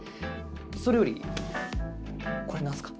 それよりこれなんすか？